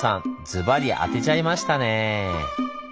ズバリ当てちゃいましたね。